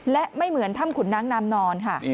และไม่เหมือนถ้ำขุนน้ำนามนอนค่ะ